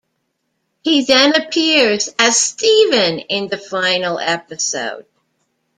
He then appears as Steven in the final episode.